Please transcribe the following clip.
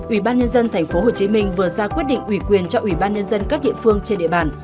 ủy ban nhân dân tp hcm vừa ra quyết định ủy quyền cho ủy ban nhân dân các địa phương trên địa bàn